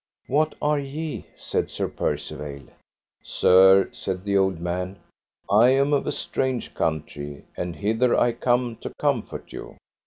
What are ye? said Sir Percivale. Sir, said the old man, I am of a strange country, and hither I come to comfort you.